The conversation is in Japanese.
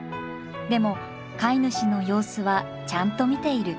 でも飼い主の様子はちゃんと見ている。